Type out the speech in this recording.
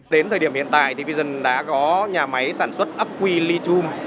đến thời điểm hiện tại thì vision đã có nhà máy sản xuất aqui litum